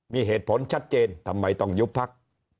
มีเหตุผลชัดเจนทำไมต้องยุบพัก